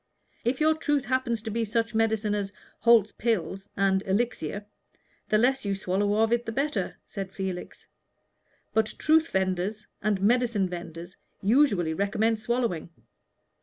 "If your truth happens to be such medicine as Holt's Pills and Elixir, the less you swallow of it the better," said Felix. "But truth vendors and medicine vendors usually recommend swallowing.